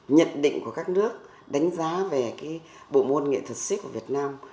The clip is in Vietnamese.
nhật định của các nước đánh giá về cái bộ môn nghệ thuật siết của việt nam